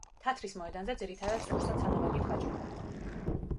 თათრის მოედანზე ძირითადად სურსათ-სანოვაგით ვაჭრობდნენ.